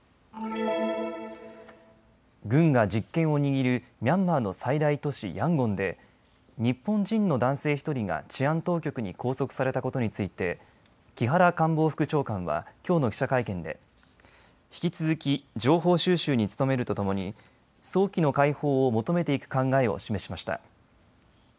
軍が実権を握るミャンマーの最大都市ヤンゴンで日本人の男性１人が治安当局に拘束されたことについて木原官房副長官はきょうの記者会見で引き続き情報収集に努めるとともに早期の解放を求めていく考えを示しました。